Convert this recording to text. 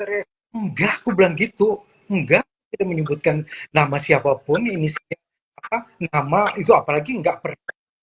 enggak aku bilang gitu enggak kita menyebutkan nama siapapun ini siapa nama itu apalagi enggak pernah